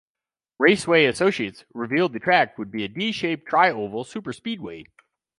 Raceway Associates revealed the track would be a d-shaped tri-oval superspeedway.